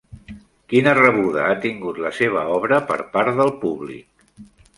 Quina rebuda ha tingut la seva obra per part del públic?